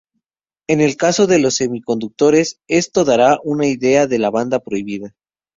En el caso de los semiconductores, esto dará una idea de la banda prohibida.